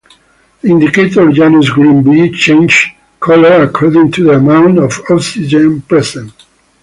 The indicator Janus Green B changes colour according to the amount of oxygen present.